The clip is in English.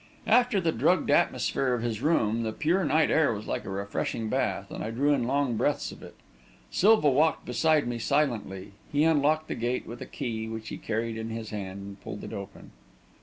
After the drugged atmosphere of his room, the pure night air was like a refreshing bath, and I drew in long breaths of it. Silva walked beside me silently; he unlocked the gate with a key which he carried in his hand, and pulled it open.